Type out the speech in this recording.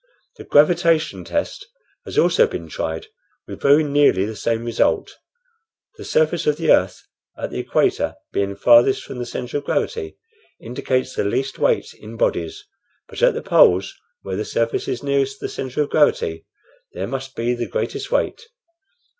The gravitation test has also been tried, with very nearly the same result. The surface of the earth at the equator, being farthest from the centre of gravity, indicates the least weight in bodies; but at the poles, where the surface is nearest the centre of gravity, there must be the greatest weight.